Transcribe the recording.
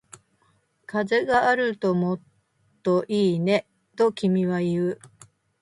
風があるともっといいね、と君は言う